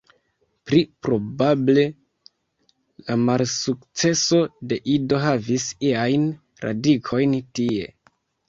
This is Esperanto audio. Pli probable la malsukceso de Ido havis iajn radikojn tie.